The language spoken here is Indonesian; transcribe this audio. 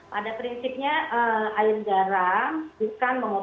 pada prinsipnya air garam bukan mengobati